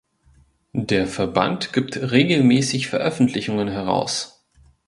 Der Verband gibt regelmäßig Veröffentlichungen heraus.